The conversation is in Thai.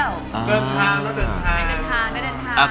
ได้เดินทาง